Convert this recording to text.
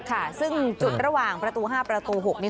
ค่ะซึ่งจุดระหว่างประตู๕ประตู๖นี้